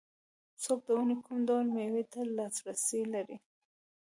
څوک د ونې کوم ډول مېوې ته لاسرسی لري